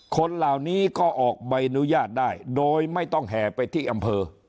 คนเหล่านี้ก็ออกใบอนุญาตได้โดยไม่ต้องแห่ไปที่อำเภอ